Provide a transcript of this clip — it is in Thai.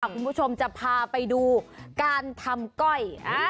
คุณผู้ชมจะพาไปดูการทำก้อย